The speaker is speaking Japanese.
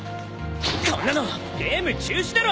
こんなのゲーム中止だろ！